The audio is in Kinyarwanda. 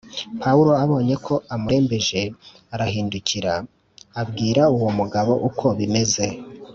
Pawulo abonye ko amurembeje arahindukira abwira uwo mugabo uko bimeze